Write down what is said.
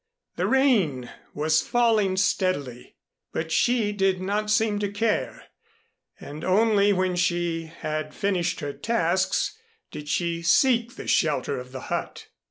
The rain was falling steadily; but she did not seem to care, and only when she had finished her tasks did she seek the shelter of the hut.